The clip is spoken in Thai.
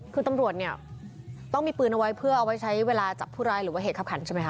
คือตำรวจเนี่ยต้องมีปืนเอาไว้เพื่อเอาไว้ใช้เวลาจับผู้ร้ายหรือว่าเหตุคับขันใช่ไหมค